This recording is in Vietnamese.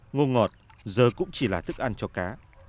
ngô ngọt giờ cũng chỉ là thức ăn cho cá